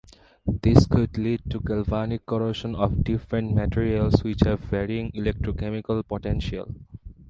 This could lead to galvanic corrosion of different materials which have varying electrochemical potential.